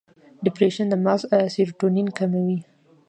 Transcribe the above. د ډیپریشن د مغز سیروټونین کموي.